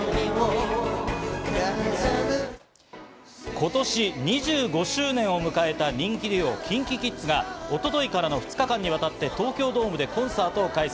今年２５周年を迎えた人気デュオ・ＫｉｎＫｉＫｉｄｓが、一昨日からの２日間にわたって東京ドームでコンサートを開催。